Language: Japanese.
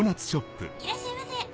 いらっしゃいませ。